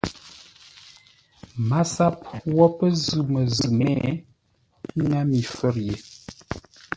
MASAP wo pə́ zʉ̂ məzʉ̂ mé, ə́ ŋə́ mi fə̌r ye.